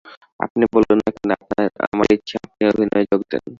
আপনি বলুন-না কেন, আমার ইচ্ছা, আপনি অভিনয়ে যোগ দেন।